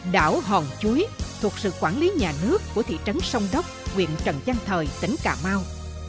đảo hòn chuối thuộc sự quản lý nhà nước của thị trấn sông đốc quyện trần giang thời tỉnh cà mau